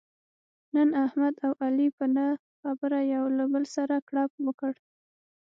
نن احمد او علي په نه خبره یو له بل سره کړپ وکړ.